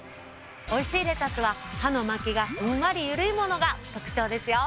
おいしいレタスは葉の巻きがふんわりゆるいものが特徴ですよ。